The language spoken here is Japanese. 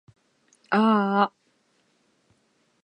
あーあ